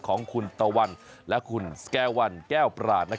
ของคุณตะวันและคุณแก้วันแก้วประหลาดนะครับ